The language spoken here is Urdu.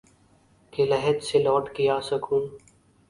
کہ لحد سے لوٹ کے آسکھوں